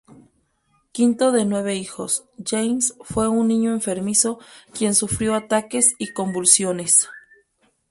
Quinto de nueve hijos, James fue un niño enfermizo quien sufrió ataques y convulsiones.